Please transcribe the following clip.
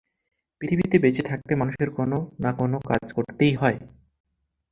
পৃথিবীতে বেঁচে থাকতে মানুষকে কোনো না কোনো কাজ করতেই হয়।